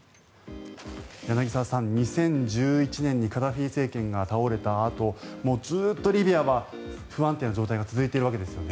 柳澤さん、２０１１年にカダフィ政権が倒れたあとずっとリビアは不安定な状態が続いているわけですよね。